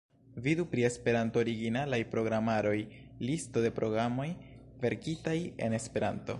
Vidu pri esperanto-originalaj programaroj: Listo de programoj verkitaj en Esperanto.